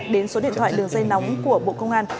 đến số điện thoại đường dây nóng của bộ công an